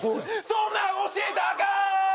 そんなん教えたあかーん！